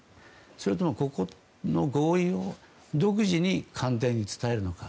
それとも、ここの合意を独自に官邸に伝えるのか。